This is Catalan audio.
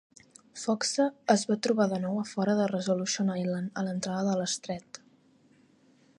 Foxe es va trobar de nou a fora de Resolution Island, a l'entrada de l'estret.